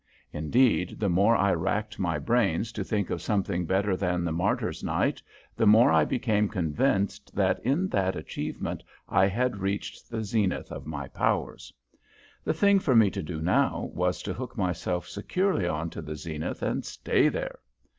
Indeed, the more I racked my brains to think of something better than the "Martyrs' Night," the more I became convinced that in that achievement I had reached the zenith of my powers. The thing for me to do now was to hook myself securely on to the zenith and stay there.